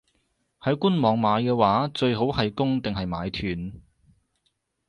喺官網買嘅話，最好係供定係買斷?